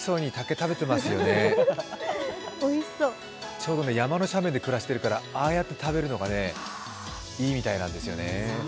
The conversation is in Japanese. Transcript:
ちょうど山の斜面で暮らしてるからああやって食べるのがいいみたいなんですよね。